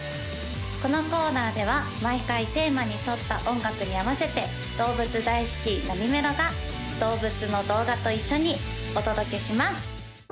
このコーナーでは毎回テーマに沿った音楽に合わせて動物大好きなみめろが動物の動画と一緒にお届けします